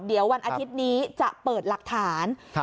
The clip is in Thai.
เดี๋ยววันอาทิตย์นี้จะเปิดหลักฐาน